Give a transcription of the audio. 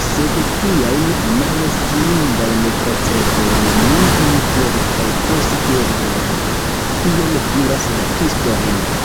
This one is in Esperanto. Sed tiajn malestimindajn procedojn ni ignoru kaj konsideru denove, kion diras la historio.